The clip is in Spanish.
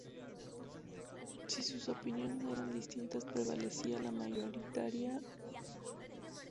Si sus opiniones eran distintas, prevalecía la mayoritaria.